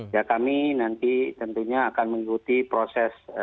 ya kami nanti tentunya akan mengikuti proses